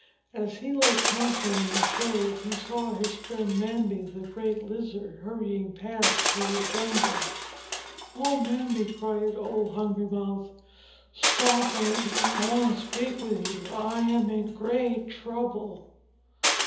As he lay panting in the shade he saw his friend Mbambi, the great Lizard, hurrying past through the jungle. "Oh, Mbambi!" cried old Hungry Mouth, "stop a moment. I want to speak with you. I am in great trouble."